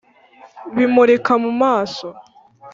bimurika mu maso,